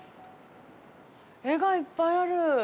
絵がいっぱいある。